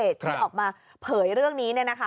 ที่ออกมาเผยเรื่องนี้เนี่ยนะคะ